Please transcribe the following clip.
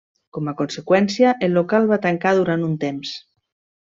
Com a conseqüència, el local, va tancar durant un temps.